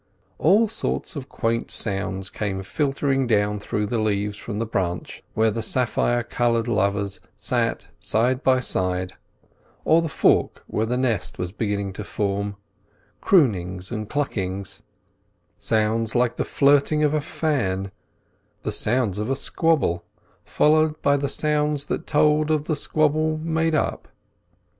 All sorts of quaint sounds came filtering down through the leaves from the branch where the sapphire coloured lovers sat side by side, or the fork where the nest was beginning to form: croonings and cluckings, sounds like the flirting of a fan, the sounds of a squabble, followed by the sounds that told of the squabble made up.